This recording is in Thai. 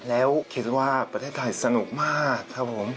แล้วคิดว่าประเทศไทยสนุกมากครับผม